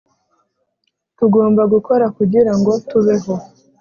Tugomba gukora kugira ngo tubeho